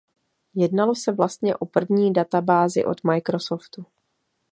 Jednalo se vlastně o první databázi od Microsoftu.